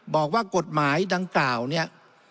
บอกว่ากฎหมายดังกล่าวเนี่ย